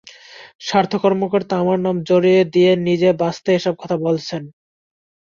স্বাস্থ্য কর্মকর্তা আমার নাম জড়িয়ে দিয়ে নিজে বাঁচতে এসব কথা বলছেন।